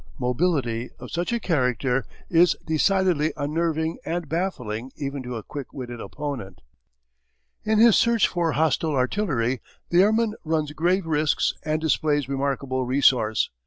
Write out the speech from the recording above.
Mobility of such a character is decidedly unnerving and baffling even to a quick witted opponent. In his search for hostile artillery the airman runs grave risks and displays remarkable resource.